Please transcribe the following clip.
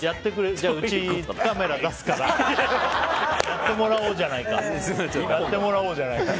うち、カメラ出すからやってもらおうじゃないか。